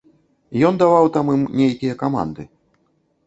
Ён даваў там ім нейкія каманды.